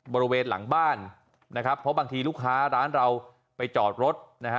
บริเวณหลังบ้านนะครับเพราะบางทีลูกค้าร้านเราไปจอดรถนะฮะ